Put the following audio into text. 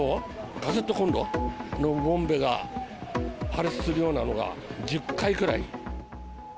カセットコンロのボンベが破裂するようなのが１０回くらい。